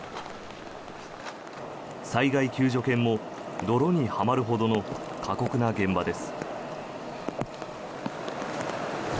災害救助犬も泥にはまるほどの過酷な現場です。